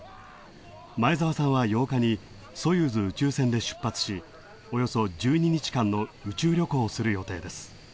前澤さんは８日にソユーズを宇宙船で出発し、およそ１２日間の宇宙旅行をする予定です。